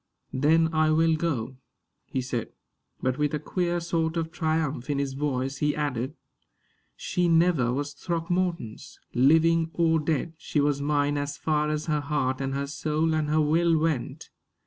"Then I will go," he said. But with a queer sort of triumph in his voice he added: "She never was Throckmorton's, living or dead. She was mine as far as her heart and her soul and her will went."